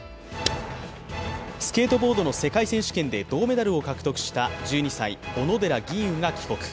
スケートボードの世界選手権で銅メダルを獲得した１２歳、小野寺吟雲が帰国。